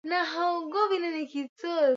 Maji haya yana ladha mzuri.